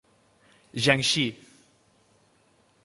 Jiangxi.